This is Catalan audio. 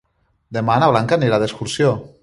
Demà na Blanca anirà d'excursió.